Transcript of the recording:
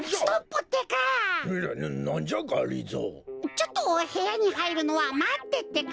ちょっとへやにはいるのはまってってか！